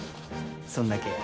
そんだけや。